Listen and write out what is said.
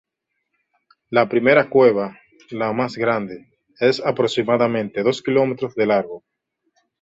La primera cueva, la más grande es de aproximadamente dos kilómetros de largo.